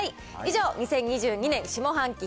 以上、２０２２年下半期